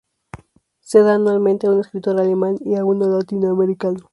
Se da anualmente a un escritor alemán y a uno latinoamericano.